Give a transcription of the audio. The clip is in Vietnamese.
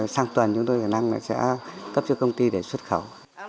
sang tuần chúng tôi sẽ cấp cho công ty để xuất khẩu